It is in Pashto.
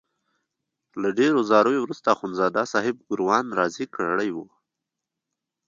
له ډېرو زاریو وروسته اخندزاده صاحب ګوروان راضي کړی وو.